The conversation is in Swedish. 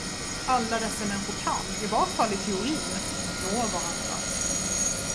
Alla dessa människor kan, i vart fall i teorin, nå varandra.